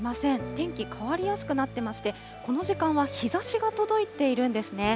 天気、変わりやすくなっていまして、この時間は日ざしが届いているんですね。